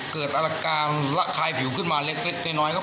เกิดอาการระคายผิวขึ้นมาเล็กน้อยครับ